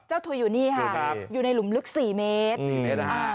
เจ้าทุยอยู่นี่ฮะอยู่ในหลุมลึก๔เมตร